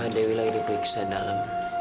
dewi lagi di periksa dalam